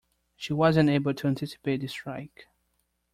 She wasn't able to anticipate the strike.